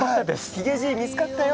ヒゲじい、見つかったよ！